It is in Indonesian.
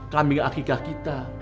kambing akikah kita